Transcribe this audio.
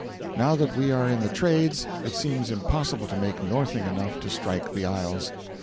Now that we are in the trades it seems impossible to make northing enough to strike the isles.